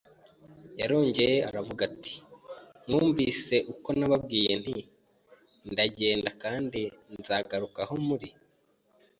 Yarongeye aravuga ati: “Mwumvise uko nababwiye nti, ndagenda, kandi nzagaruka aho muri.